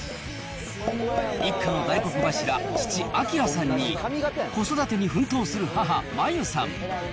一家の大黒柱、父、章さんに、子育てに奮闘する母、まゆさん。